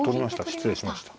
失礼しました。